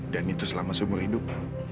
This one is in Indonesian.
dan itu selama seumur hidup